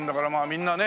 みんなね